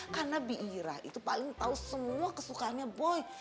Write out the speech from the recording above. karena biira itu paling tahu semua kesukaannya boy